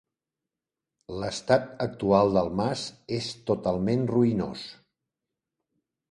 L'estat actual del mas és totalment ruïnós.